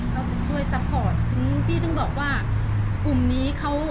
เขาจะช่วยซัพพอร์ตซึ่งพี่ต้องบอกว่ากลุ่มนี้เขา